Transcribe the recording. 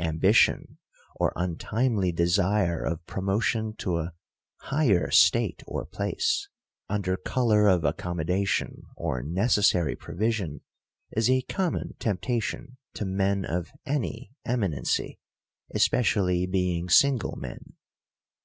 Ambition, or untimely desire of promotion to an higher state or place, under color of accommodation, or necessary provision, is a common temptation to men of any eminency, especially being single men.